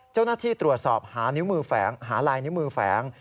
เจ้าหน้าที่ตรวจสอบหานิ้วมือแฝงหาลายนิ้วมือแฝง